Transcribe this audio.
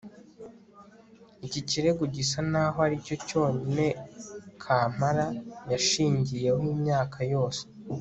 iki kirego gisa n'aho ari cyo cyonyine kampala yashingiyeho imyaka yose